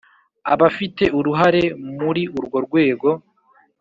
Abafite uruhare muri urwo rwego